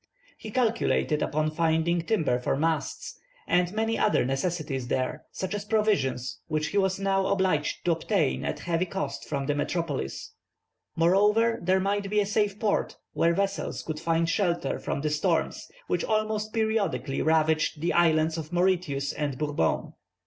He calculated upon finding timber for masts, and many other necessaries there, such as provisions, which he was now obliged to obtain at heavy cost from the metropolis. Moreover, there might be a safe port, where vessels could find shelter from the storms which almost periodically ravaged the islands of Mauritius and Bourbon.